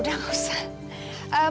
udah nggak usah